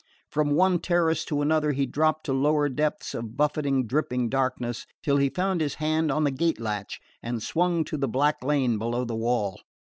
From one terrace to another he dropped to lower depths of buffeting dripping darkness, till he found his hand on the gate latch and swung to the black lane below the wall.